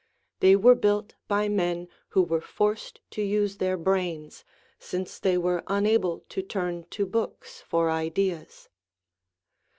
They were built by men who were forced to use their brains, since they were unable to turn to books for ideas.